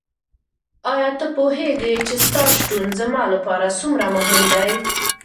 ایا ته پوهېږې چې ستا شتون زما لپاره څومره مهم دی؟